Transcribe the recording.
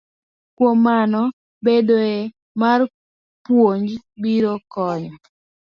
Kuom mano, bedoe mar puonjno biro konyo